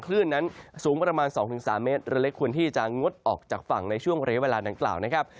คลื่นนั้นสูงประมาณ๒๓เมตรเรือเล็กควรที่จะงดออกจากฝั่งในช่วงระยะเวลาดังกล่าวนะครับ